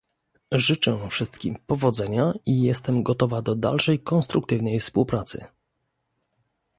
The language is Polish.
Życzę wszystkim powodzenia i jestem gotowa do dalszej konstruktywnej współpracy